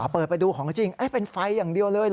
เปิดไปดูของจริงเป็นไฟอย่างเดียวเลย